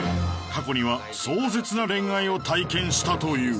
過去には壮絶な恋愛を体験したという